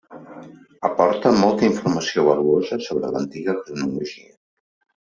Aporta molta informació valuosa sobre l'antiga cronologia.